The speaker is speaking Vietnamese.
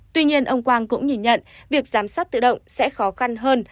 tuy nhiên ông quang cũng nhìn nhận việc giám sát tự động sẽ khó khăn hơn